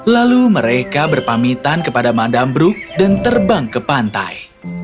lalu mereka berpamitan kepada madam bruk dan terbang ke pantai